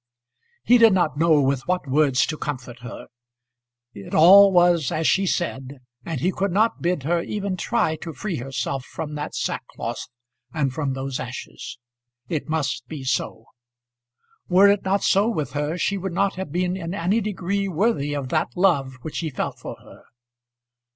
He did not know with what words to comfort her. It all was as she said, and he could not bid her even try to free herself from that sackcloth and from those ashes. It must be so. Were it not so with her, she would not have been in any degree worthy of that love which he felt for her.